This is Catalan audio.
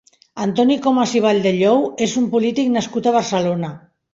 Antoni Comas i Baldellou és un polític nascut a Barcelona.